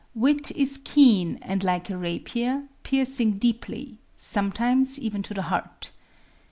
Wit is keen and like a rapier, piercing deeply, sometimes even to the heart.